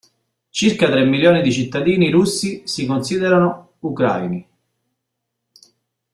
Circa tre milioni di cittadini russi si considerano ucraini.